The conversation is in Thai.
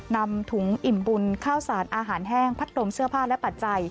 นำถุงอิ่มบุญข้าวสารอาหารแห้งพัดลมเสื้อผ้าและปัจจัย